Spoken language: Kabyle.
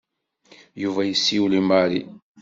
Yuba yessiwel i Mary.